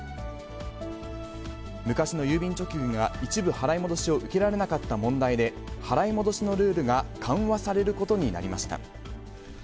昔の郵便貯金が一部払い戻しを受けられなかった問題で、払い戻しのルールが緩和されることになりました。